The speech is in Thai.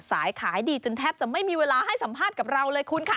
ขายขายดีจนแทบจะไม่มีเวลาให้สัมภาษณ์กับเราเลยคุณค่ะ